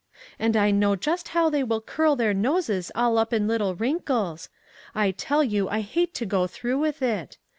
' And I know just how they will curl their noses all up in little wrinkles. I tell you I hate to go through with it.